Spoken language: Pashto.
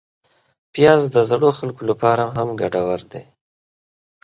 پیاز د زړو خلکو لپاره هم ګټور دی